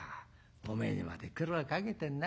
おめえにまで苦労かけてんな。